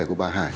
của bà hải